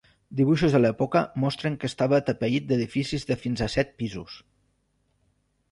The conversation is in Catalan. Dibuixos de l'època mostren que estava atapeït d'edificis de fins a set pisos.